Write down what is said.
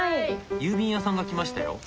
郵便屋さんが来ましたよ。